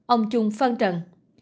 ông trung phan trần